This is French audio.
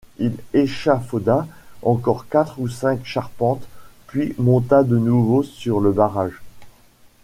Il échafauda encore quatre ou cinq charpentes, puis monta de nouveau sur le barrage.